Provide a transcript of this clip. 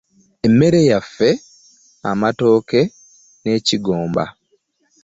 Emmere yaffe, amatooke n'ekigomba.